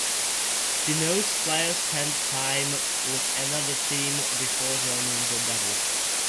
Denotes player spent time with another team before joining the Devils.